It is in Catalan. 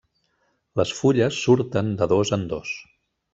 Les fulles surten de dos en dos.